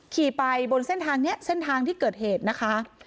ขี่ไปบนเส้นทางนี้เส้นทางที่เกิดเหตุนะคะ